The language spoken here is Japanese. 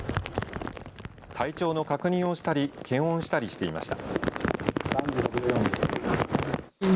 体調の確認をしたり検温をしたりしていました。